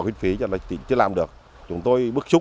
huyện bạc liêu